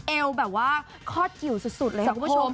เอวแบบว่าคลอดกิวสุดเลยค่ะคุณผู้ชม